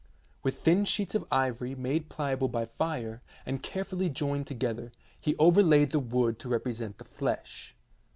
With thin sheets of ivory, made pliable by fire, and carefully joined together, he overlaid the wood to represent the flesh.